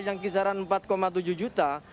yang kisaran empat tujuh juta